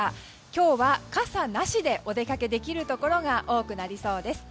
今日は傘なしでお出かけできるところが多くなりそうです。